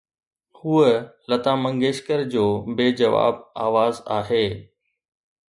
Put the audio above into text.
هوءَ لتا منگيشڪر جو بي جواب آواز آهي.